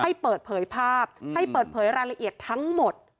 ให้เปิดเผยภาพให้เปิดเผยรายละเอียดทั้งหมด